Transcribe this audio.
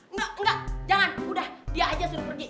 enggak enggak jangan udah dia aja sudah pergi